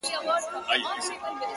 • د کلي دې ظالم ملا سيتار مات کړی دی ـ